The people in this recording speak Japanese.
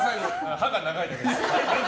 歯が長いですね。